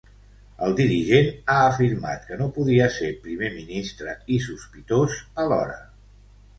El dirigent ha afirmat que no podia ser primer ministre i sospitós alhora.